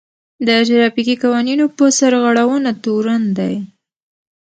د ټرافيکي قوانينو په سرغړونه تورن دی.